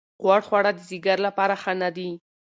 غوړ خواړه د ځیګر لپاره ښه نه دي.